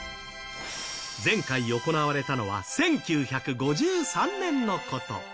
前回行われたのは１９５３年のこと。